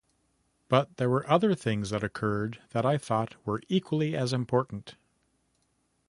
But there were other things that occurred that I thought were equally as important.